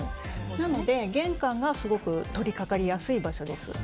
なので玄関がすごく取り掛かりやすい場所です。